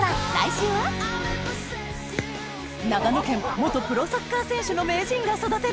長野県元プロサッカー選手の名人が育てる